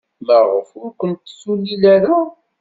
Maɣef ur kent-tulil ara?